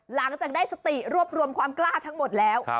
หลังจากได้สติรวบรวมความกล้าทั้งหมดแล้ว